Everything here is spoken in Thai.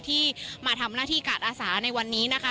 ที่มาทำหน้าที่การอาสาในวันนี้นะคะ